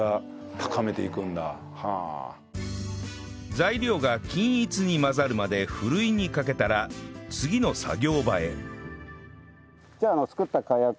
材料が均一に混ざるまでふるいにかけたら次の作業場へ